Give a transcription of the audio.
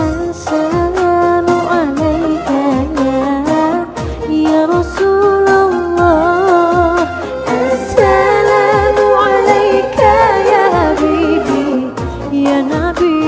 assalamualaikum ya rasulullah